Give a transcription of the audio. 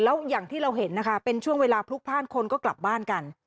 แล้วอย่างที่เราเห็นนะคะเป็นช่วงเวลาพลุกพ่านคนก็กลับบ้านกัน